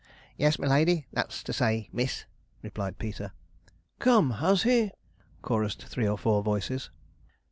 'Yes, my lady that's to say, miss,' replied Peter. 'Come, has he!' chorused three or four voices.